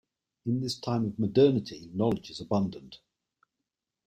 In this time of modernity, knowledge is abundant.